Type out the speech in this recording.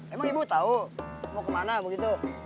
emang ibu tahu mau kemana begitu